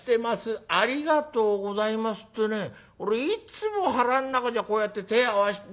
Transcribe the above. ありがとうございます』ってね俺いつも腹ん中じゃこうやって手ぇ合わして。